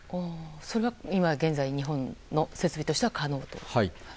それが今、現在日本の設備としては可能だと。